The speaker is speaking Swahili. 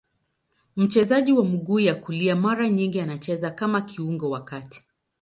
Mchezaji wa mguu ya kulia, mara nyingi anacheza kama kiungo wa kati.